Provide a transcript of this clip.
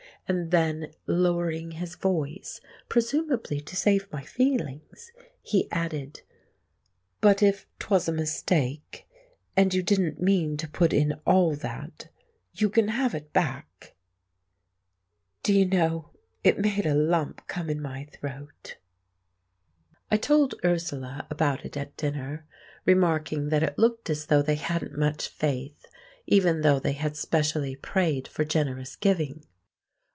And then, lowering his voice, presumably to save my feelings, he added, "But if 'twas a mistake, and you didn't mean to put in all that, you can have it back." Do you know, it made a lump come in my throat. I told Ursula about it at dinner, remarking that it looked as though they hadn't much faith even though they had specially prayed for generous giving.